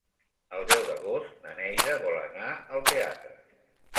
El deu d'agost na Neida vol anar al teatre.